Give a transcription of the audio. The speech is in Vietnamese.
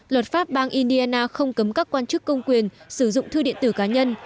luật pháp bang indiana không cấm các quan chức công quyền sử dụng thư điện tử cá nhân